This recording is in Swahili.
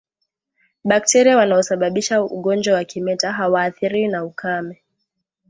Bakteria wanaosababisha ugonjwa wa kimeta hawaathiriwi na ukame